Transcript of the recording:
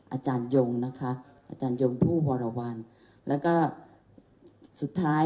อาจารยงนะคะอาจารยงผู้วรวรรณแล้วก็สุดท้าย